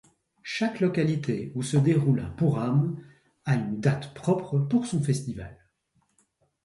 Chaque localité où se déroule un pooram a une date propre pour son festival.